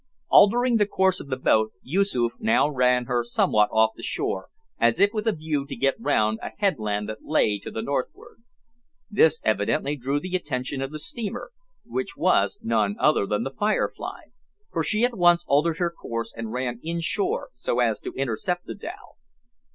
Altering the course of the boat, Yoosoof now ran her somewhat off the shore, as if with a view to get round a headland that lay to the northward. This evidently drew the attention of the steamer which was none other than the "Firefly" for she at once altered her course and ran in shore, so as to intercept the dhow.